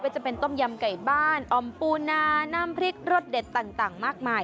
จะเป็นต้มยำไก่บ้านอ่อมปูนาน้ำพริกรสเด็ดต่างมากมาย